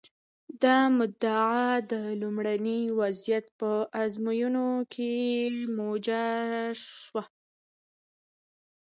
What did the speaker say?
دا مدعا د لومړني وضعیت په ازموینو کې موجه شوه.